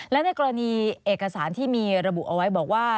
และในกรณีเอกสารที่มีระบุเอาไว้บอกว่า